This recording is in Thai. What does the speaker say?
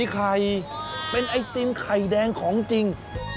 ไข่เป็นไอติมไข่แดงของจริง